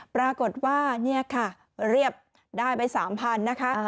ปรากฏว่านี่ค่ะเรียบได้ไป๓๐๐๐นะคะ